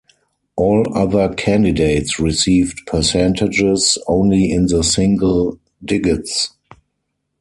All other candidates received percentages only in the single digits.